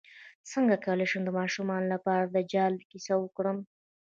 څنګه کولی شم د ماشومانو لپاره د دجال کیسه وکړم